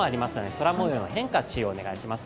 空もようの変化に注意をお願いします。